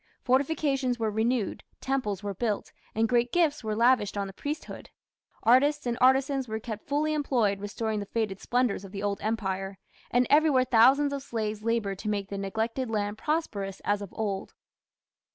Fortifications were renewed, temples were built, and great gifts were lavished on the priesthood. Artists and artisans were kept fully employed restoring the faded splendours of the Old Empire, and everywhere thousands of slaves laboured to make the neglected land prosperous as of old.